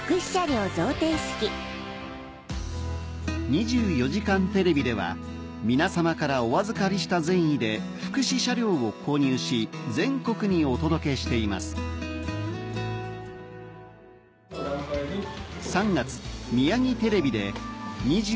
『２４時間テレビ』では皆さまからお預かりした善意で福祉車両を購入し全国にお届けしていますが行われました